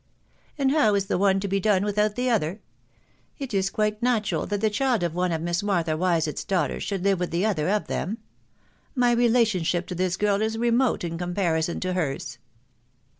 " And how is the one to be done without the other ? It is quite natural that the child of one of Miss Martha Wisett's daughters, should live with the other of them. My relation ship to this girl is remote in comparison to hers."